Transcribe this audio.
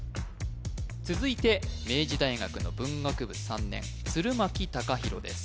続いて明治大学の文学部３年鶴巻嵩大です